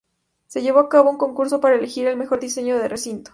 Se llevó a cabo un concurso para elegir el mejor diseño del recinto.